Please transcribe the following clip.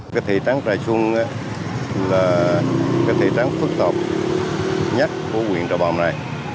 các thị trấn trà sơn là các thị trấn phức tạp nhất của huyện trà bồng này